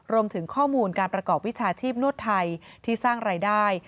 รวมถึงข้อมูลการประกอบวิชาชีพนวดไทยที่สร้างรายได้